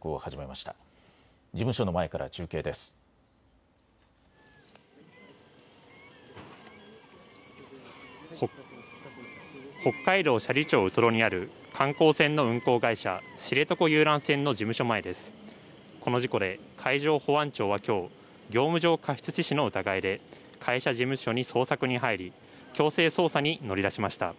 この事故で海上保安庁はきょう、業務上過失致死の疑いで会社事務所に捜索に入り強制捜査に乗り出しました。